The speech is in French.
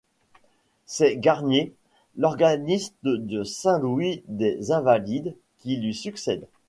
C’est Garnier, l’organiste de Saint-Louis-des-Invalides qui lui succède.